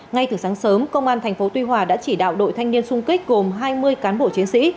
ngay từ sáng sớm công an thành phố tuy hòa đã chỉ đạo đội thanh niên xung kích gồm hai mươi cán bộ chiến sĩ